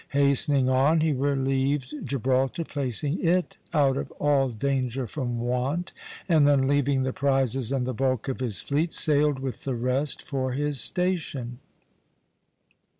Hastening on, he relieved Gibraltar, placing it out of all danger from want; and then, leaving the prizes and the bulk of his fleet, sailed with the rest for his station.